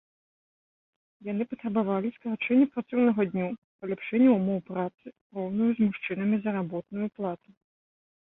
Яны патрабавалі скарачэння працоўнага дню, паляпшэння ўмоў працы, роўную з мужчынамі заработную плату.